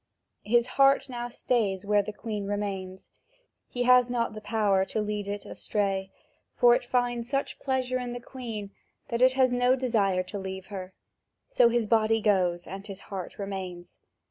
His heart now stays where the Queen remains; he has not the power to lead it away, for it finds such pleasure in the Queen that it has no desire to leave her: so his body goes, and his heart remains.